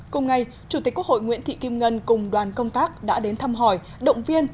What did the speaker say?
cùng ngày chủ tịch quốc hội nguyễn thị kim ngân cùng đoàn công tác đã đến thăm hỏi động viên